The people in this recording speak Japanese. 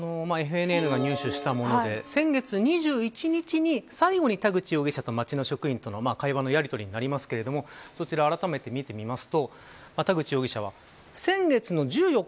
ＦＮＮが入手したもので先月２１日に最後に田口容疑者と町の職員との会話のやりとりになりますがそちらをあらためて見てみます。